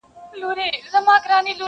حقيقت لا هم مبهم پاتې دی.